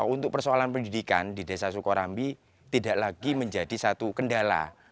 untuk persoalan pendidikan di desa sukorambi tidak lagi menjadi satu kendala